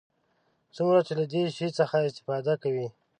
څومره چې له دې شي څخه استفاده کوي.